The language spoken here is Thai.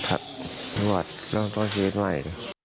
ครับหมวดเริ่มต้นชีวิตใหม่